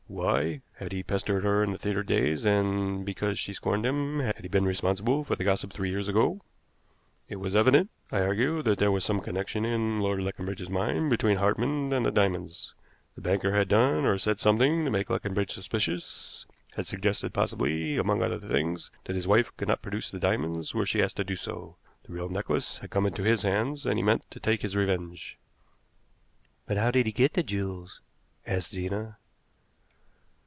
Why? Had he pestered her in her theater days and, because she scorned him, had he been responsible for the gossip three years ago? It was evident, I argued, that there was some connection, in Lord Leconbridge's mind, between Hartmann and the diamonds. The banker had done or said something to make Leconbridge suspicious; had suggested possibly, among other things, that his wife could not produce the diamonds were she asked to do so. The real necklace had come into his hands, and he meant to take his revenge." "But how did he get the jewels?" asked Zena.